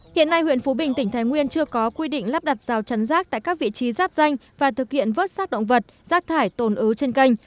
hiện nay huyện phú bình tỉnh thái nguyên chưa có quy định lắp đặt rào chắn rác tại các vị trí giáp danh và thực hiện vớt xác động vật rác thải tồn ứ trên kênh